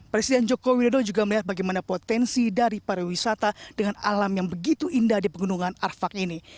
presiden joko widodo juga melihat bagaimana potensi dari pariwisata dengan alam yang begitu indah di pegunungan arfak ini